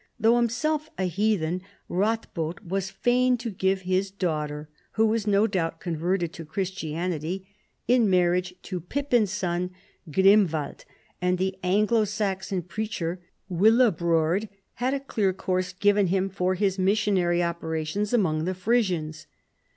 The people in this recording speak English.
Though himself a heathen, Ratbod was fain to give his daughter — who was no doubt converted to Christianity — in marriage to Pippin's son Grim wald ; and the Anglo Saxon preacher Willibrord had a clear course given him for his missionary oper ations among the Frisians.